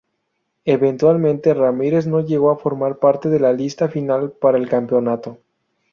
Eventualmente, Ramírez no llegó a formar parte de la lista final para el campeonato.